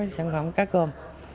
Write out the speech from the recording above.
sản phẩm cá cơm